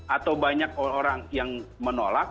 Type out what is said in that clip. atau banyak orang yang menolak